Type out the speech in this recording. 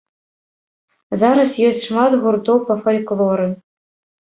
Зараз ёсць шмат гуртоў па фальклоры.